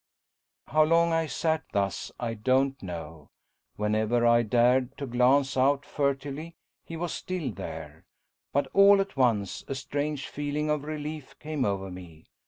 How long I sat thus I don't know whenever I dared to glance out furtively he was still there. But all at once a strange feeling of relief came over me.